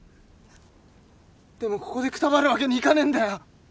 でもここでくたばるわけにいかねぇんだよ。